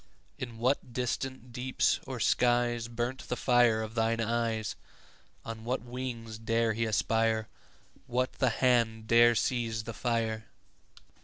In what distant deeps or skies 5 Burnt the fire of thine eyes? On what wings dare he aspire? What the hand dare seize the fire?